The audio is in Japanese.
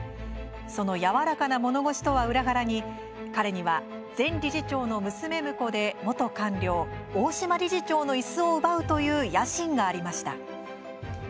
そのやわらかな物腰とは裏腹に彼には前理事長の娘婿で元官僚、大島理事長のいすを奪うという野心がありました。